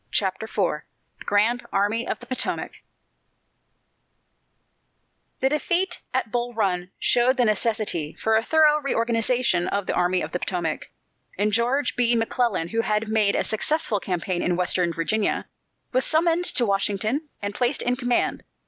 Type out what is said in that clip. CHAPTER IV THE GRAND ARMY OF THE POTOMAC The defeat at Bull Run showed the necessity for a thorough reorganization of the Army of the Potomac, and George B. McClellan, who had made a successful campaign in Western Virginia, was summoned to Washington and placed in command.